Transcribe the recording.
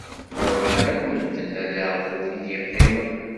Ṛḍan akk medden, ala aɣbub i d-iqqimen.